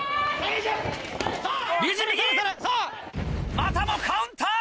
またもカウンター！